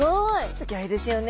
すギョいですよね。